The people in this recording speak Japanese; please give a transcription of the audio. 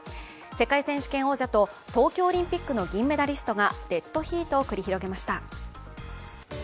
世界選手権王者と東京オリンピックの銀メダリストがデッドヒートを繰り広げました。